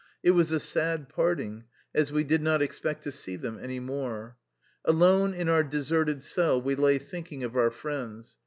It was a sad parting, as we did not expect to see them any more. Alone in our deserted cell we lay thinking of our friends.